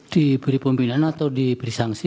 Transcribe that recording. diberi pembinaan atau diberi sanksi